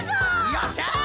よっしゃ！